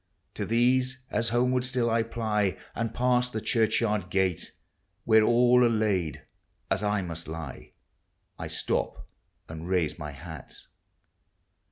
To these, as homeward still I ply And pass the churchyard gate, Where all are laid as 1 must lie, I stop and raise my hat.